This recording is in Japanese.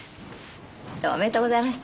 どうもおめでとうございました。